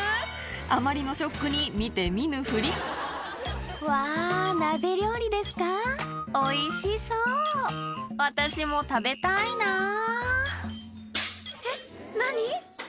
あまりのショックに見て見ぬふりうわ鍋料理ですかおいしそう私も食べたいなえっ何？